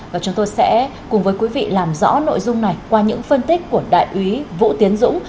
và chúng tôi sẽ cùng với quý vị làm rõ nội dung này qua những phân tích của đại úy vũ tiến dũng